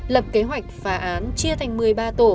lập kế hoạch phá án chia thành một mươi ba tổ